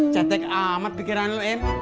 catek amat pikiran lu im